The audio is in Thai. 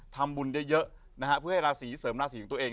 ทำบุญเยอะนะฮะเพื่อให้ราศีเสริมราศีของตัวเอง